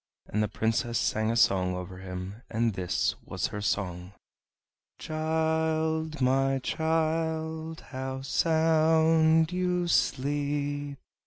And the Princess sang a song over him, and this was her song: "Child, my child, how sound you sleep!